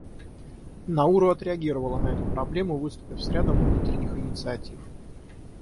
Науру отреагировала на эту проблему, выступив с рядом внутренних инициатив.